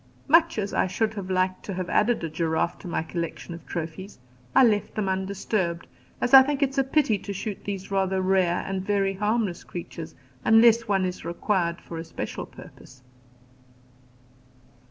Much as I should have liked to have added a giraffe to my collection of trophies, I left them undisturbed, as I think it a pity to shoot these rather rare and very harmless creatures, unless one is required for a special purpose.